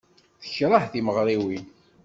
Tekṛeh timeɣriwin.